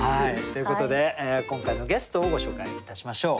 ということで今回のゲストをご紹介いたしましょう。